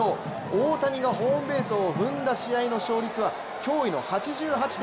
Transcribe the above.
大谷がホームベースを踏んだ試合の勝率は驚異の８８．２％。